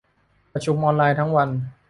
ประชุมออนไลน์ทั้งวัน